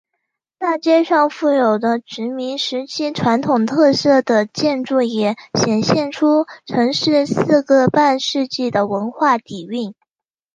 大街上富有殖民时期传统特色的建筑也显现出城市四个半世纪的文化底蕴。